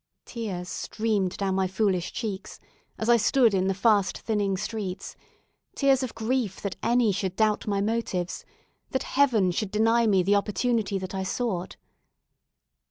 Tears streamed down my foolish cheeks, as I stood in the fast thinning streets; tears of grief that any should doubt my motives that Heaven should deny me the opportunity that I sought.